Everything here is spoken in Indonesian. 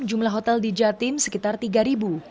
jumlah hotel di jatim sekitar tiga